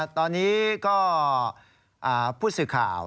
ตอนนี้ก็ผู้สื่อข่าว